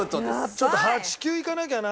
ちょっと８９いかなきゃな。